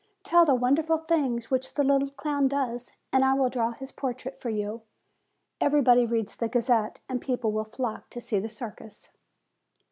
Tell the wonderful things which the little clown does, and I will draw his portrait for you. Everybody reads the Gazette, and people will flock to see the circus."